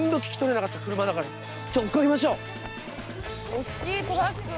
おっきいトラック！